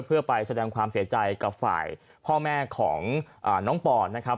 เพื่อไปแสดงความเสียใจกับฝ่ายพ่อแม่ของน้องปอนนะครับ